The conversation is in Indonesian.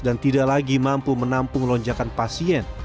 dan tidak lagi mampu menampung lonjakan pasien